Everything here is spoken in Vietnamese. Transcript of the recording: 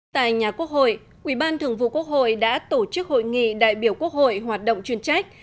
tại nhà quốc hội ủy ban thường vụ quốc hội đã tổ chức hội nghị đại biểu quốc hội hoạt động chuyên trách